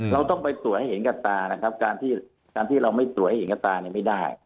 เราต้องไปตรวจให้เห็นกับตานะครับการที่เราไม่ตรวจให้เห็นกับตาเนี่ยไม่ได้